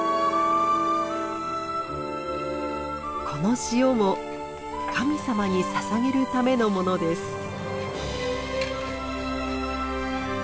この塩も神様にささげるためのものです。